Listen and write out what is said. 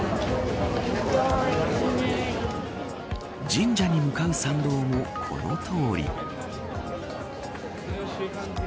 神社に向かう参道もこのとおり。